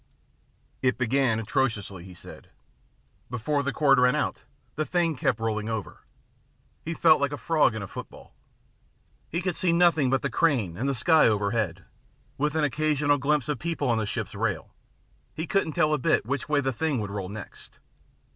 It began atrociously, he said. Before the cord ran out, the thing kept rolling over. He felt like a frog in a football. He could see nothing but the crane and the sky overhead, with an occasional glimpse of the people on the ship's rail. He couldn't tell a bit which way the thing would roll next.